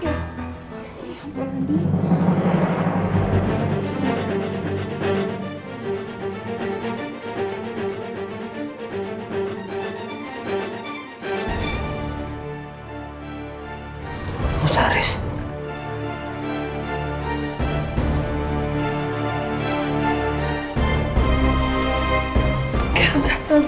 itu aku seseorang brother